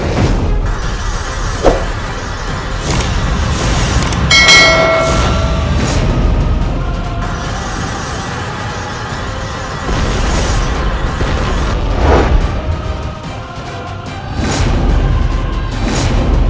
tidak ada jurit